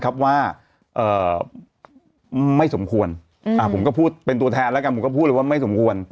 ก็อันนี้ก็คือพูดได้ฟังแล้ว